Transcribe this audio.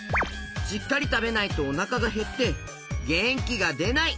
しっかりたべないとおなかがへってげんきがでない！